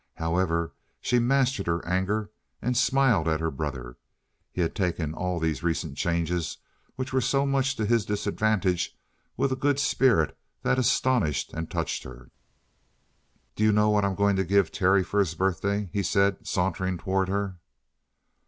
However, she mastered her anger and smiled at her brother. He had taken all these recent changes which were so much to his disadvantage with a good spirit that astonished and touched her. "Do you know what I'm going to give Terry for his birthday?" he said, sauntering toward her.